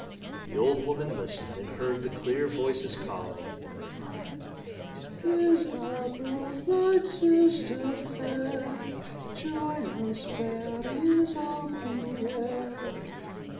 The old woman listened, and heard the clear voices calling: "'Tis thy birthnight, sister fair, Join us fairies of the air.